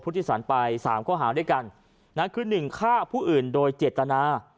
พุทธศาลไปสามข้อหาวันด้วยกันนั้นคือหนึ่งฆ่าผู้อื่นโดยเจตนา